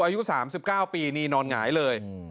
อายุ๓๙ปีนี่นอนหงายเลย